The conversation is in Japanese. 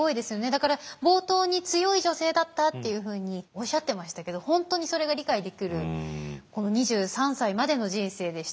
だから冒頭に強い女性だったというふうにおっしゃってましたけど本当にそれが理解できるこの２３歳までの人生でした。